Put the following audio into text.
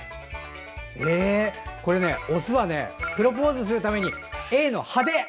オスはプロポーズするためにＡの派手！